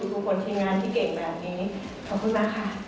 ขอบคุณมากค่ะ